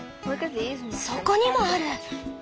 そこにもある！